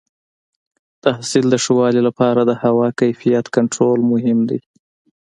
د حاصل د ښه والي لپاره د هوا کیفیت کنټرول مهم دی.